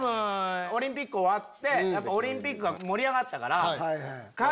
オリンピック終わってオリンピック盛り上がったから。